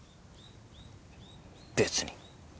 別に。